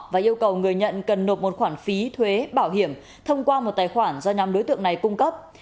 và yêu cầu người nhận cần nộp một khoản phí thuế bảo hiểm thông qua một tài khoản do nhóm đối tượng này cung cấp